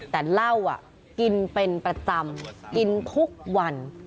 แต่เหล้ากินเป็นประจำกินทุกวัน